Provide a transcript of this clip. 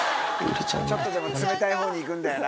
ちょっとでも冷たいほうに行くんだよな。